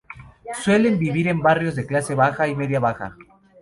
Suelen vivir en barrios de clase baja y media baja.